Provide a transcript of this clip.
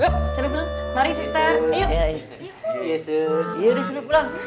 yaudah sester pulang